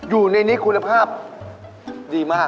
อยู่ในนี้คุณภาพดีมาก